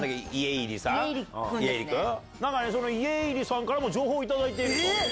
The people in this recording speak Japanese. その家入さんからも情報を頂いていると。